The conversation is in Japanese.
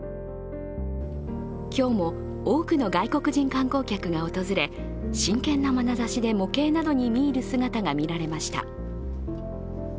今日も多くの外国人観光客が訪れ、真剣な眼差しで模型などに見入る姿が見られました。